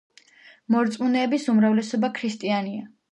მორწმუნეების უმრავლესობა ქრისტიანია.